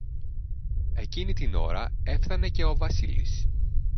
Εκείνη την ώρα έφθανε και ο Βασίλης